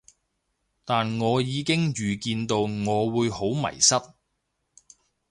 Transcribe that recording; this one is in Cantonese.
但我已經預見到我會好迷失